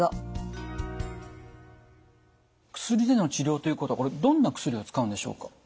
薬での治療ということはこれどんな薬を使うんでしょうか？